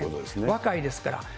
若いですから。